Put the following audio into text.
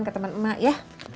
ke temen emak ya